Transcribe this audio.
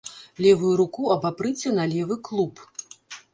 Левую руку абапрыце на левы клуб.